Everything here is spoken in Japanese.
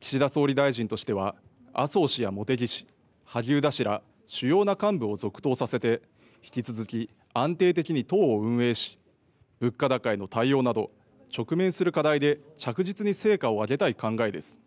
岸田総理大臣としては麻生氏や茂木氏、萩生田氏ら主要な幹部を続投させて引き続き安定的に党を運営し物価高への対応など直面する課題で着実に成果を上げたい考えです。